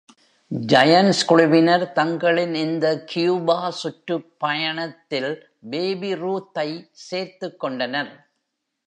Giants குழுவினர் தங்களின் இந்த Cuba சுற்றுப்பயணத்தில் பேபி ரூத்-ஐ சேர்த்துக் கொண்டனர்.